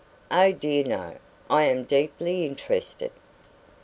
"Oh, dear, no! I am deeply interested."